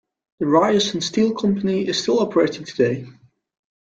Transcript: The Ryerson Steel Company is still operating today.